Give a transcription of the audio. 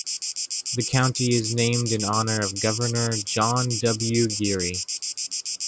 The county is named in honor of Governor John W. Geary.